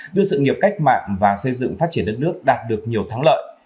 đưa sự nghiệp cách mạng và xây dựng phát triển đất nước đạt được nhiều thắng lợi